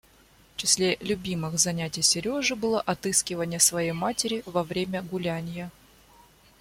В числе любимых занятий Сережи было отыскиванье своей матери во время гулянья.